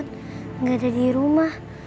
tidak ada di rumah